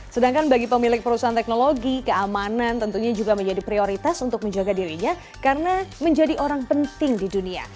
sedangkan bagi pemilik perusahaan teknologi keamanan tentunya juga menjadi prioritas untuk menjaga dirinya karena menjadi orang penting di dunia